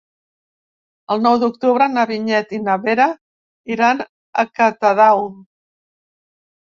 El nou d'octubre na Vinyet i na Vera iran a Catadau.